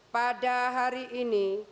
pada hari ini